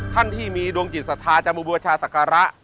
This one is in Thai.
ท่านที่มีดวงจิตศาสตร์จำบวงบวชาสักระ